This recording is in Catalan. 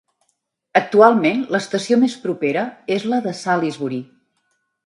Actualment l'estació més propera és la de Salisbury.